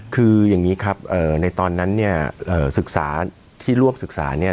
คืออย่างนี้ครับในตอนนั้นเนี่ยศึกษาที่ร่วมศึกษาเนี่ย